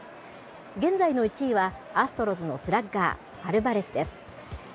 現在の１位は、アストロズのスラッガー、アルバレスです。